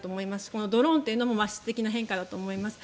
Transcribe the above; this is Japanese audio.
このドローンというのも質的な変化だと思います。